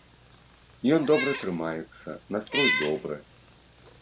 Ён добра трымаецца, настрой добры.